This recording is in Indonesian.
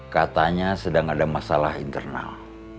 katanya sedang ada masalah internal